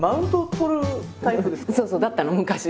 そうそう！だったの昔は。